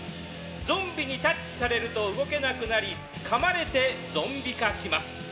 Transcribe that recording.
ゾンビにタッチされると動けなくなりかまれてゾンビ化します。